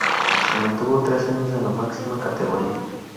Se mantuvo tres años en la máxima categoría.